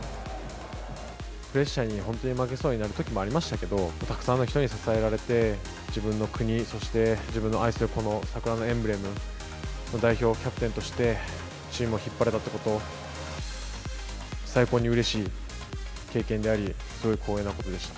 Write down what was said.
プレッシャーに本当に負けそうになりそうなときもありましたけれども、たくさんの人に支えられて、自分の国、そして自分の愛するこの桜のエンブレムの代表、キャプテンとして、チームを引っ張れたってこと、最高にうれしい経験であり、すごい光栄なことでした。